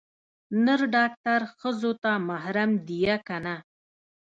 نر ډاکتر ښځو ته محرم ديه که نه.